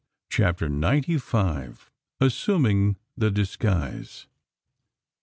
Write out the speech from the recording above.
CHAPTER NINETY FIVE. ASSUMING THE DISGUISE.